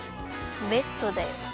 ベッドだよ。